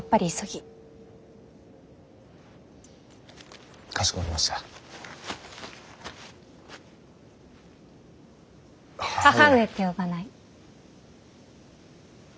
義母上って呼ばない。